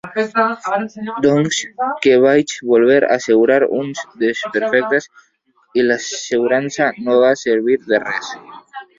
Doncs que vaig voler assegurar uns desperfectes i l'assegurança no va servir de res.